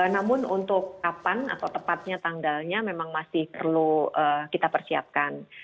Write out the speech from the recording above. namun untuk kapan atau tepatnya tanggalnya memang masih perlu kita persiapkan